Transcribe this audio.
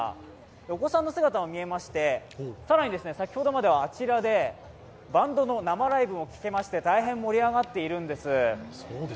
お子さんの姿も見えまして、更に先ほどまではあちらでバンドの生ライブも聴けまして大変盛り上がっているんです。